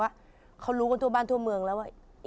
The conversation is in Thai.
ไม่กล้ากลัวแฟนคลับ